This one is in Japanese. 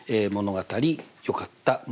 「物語よかった」